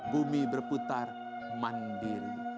bumi berputar mandiri